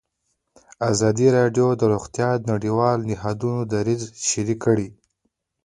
ازادي راډیو د روغتیا د نړیوالو نهادونو دریځ شریک کړی.